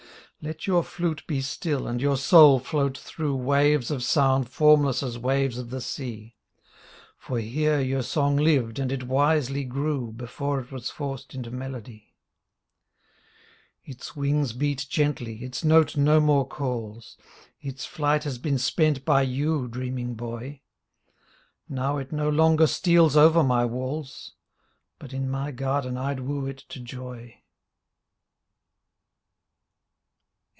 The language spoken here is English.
Let your flute be still and your sou! float through Waves of sound formless as waves of the sea. For here your song lived and it wisely grew Before it was forced into melody. Its wings beat gently, its note no more calls. Its flight has been spent by you, dreaming Boy ! Now it no longer steals over my walls — But in my garden I'd woo it to joy.